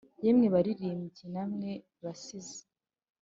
yemwe balirimbyi, namwe basizi,